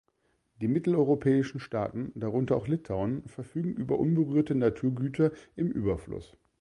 Die mitteleuropäischen Staaten, darunter auch Litauen, verfügen über unberührte Naturgüter im Überfluss.